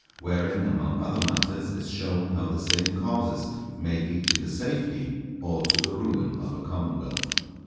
Wherein among other Matters is shown how the same Causes may lead to the Safety or to the Ruin of a Commonwealth.